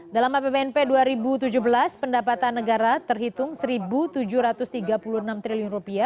dalam apbnp dua ribu tujuh belas pendapatan negara terhitung rp satu tujuh ratus tiga puluh enam triliun